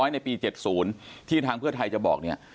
ในปี๗๐ที่ทางเพื่อไทยจะบอกเนี่ย